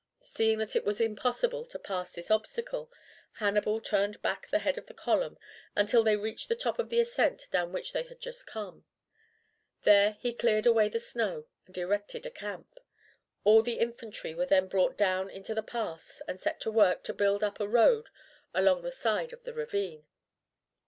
Seeing that it was impossible to pass this obstacle, Hannibal turned back the head of the column until they reached the top of the ascent down which they had just come. There he cleared away the snow and erected a camp; all the infantry were then brought down into the pass and set to work to build up a road along the side of the ravine.